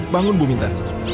bangun bu minta